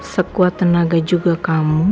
sekuat tenaga juga kamu